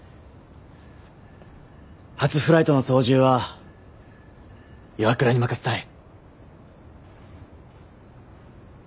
初フライトの操縦は岩倉に任すったい。